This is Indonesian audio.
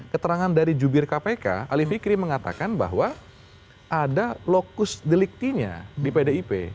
keterangan dari jubir kpk ali fikri mengatakan bahwa ada lokus deliktinya di pdip